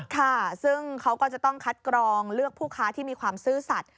ค่ะซึ่งเขาก็จะต้องคัดกรองเลือกผู้ค้าที่มีความซื่อสัตว